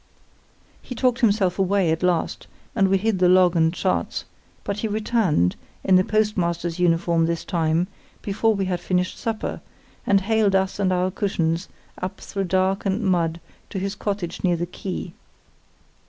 He talked himself away at last, and we hid the log and charts; but he returned, in the postmaster's uniform this time before we had finished supper, and haled us and our cushions up through dark and mud to his cottage near the quay.